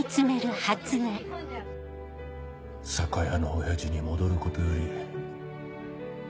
酒屋のオヤジに戻ることより。